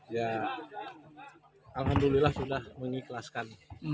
ya alhamdulillah sudah mengikhlaskan